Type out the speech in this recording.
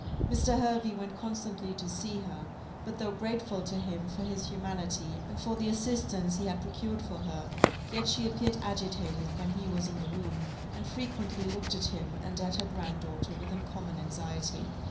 Mr. Hervey went constantly to see her; but, though grateful to him for his humanity, and for the assistance he had procured for her, yet she appeared agitated when he was in the room, and frequently looked at him and at her grand daughter with uncommon anxiety.